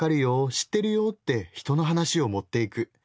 知ってるよって人の話を持っていく。